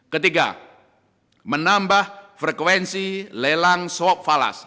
ketiga menambah frekuensi lelang sok falas